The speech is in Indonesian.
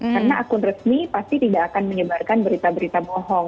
karena akun resmi pasti tidak akan menyebarkan berita berita bohong